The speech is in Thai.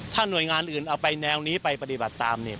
ถ้าหน่วยงานอื่นเอาไปแนวนี้ไปปฏิบัติตามเนี่ย